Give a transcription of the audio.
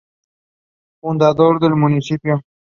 Games announced the winners of their indie music artist contest.